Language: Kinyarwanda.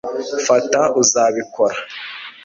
fata, uzabikora